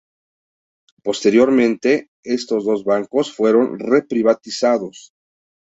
Posteriormente, estos dos bancos fueron re-privatizados.